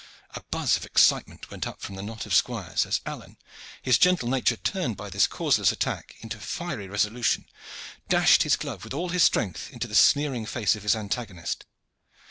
A buzz of excitement went up from the knot of squires as Alleyne, his gentle nature turned by this causeless attack into fiery resolution, dashed his glove with all his strength into the sneering face of his antagonist.